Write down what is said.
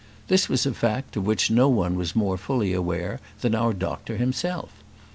This was a fact of which no one was more fully aware than our doctor himself.